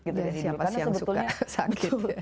siapa sih yang suka sakit